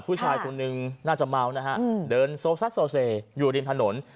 ผู้ชายคนหนึ่งน่าจะเมานะฮะเดินโซซัดโซเซอยู่ริมถนน